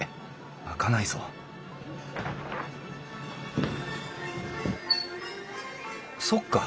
開かないぞそっか。